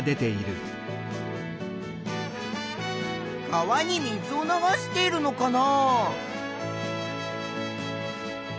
川に水を流しているのかな？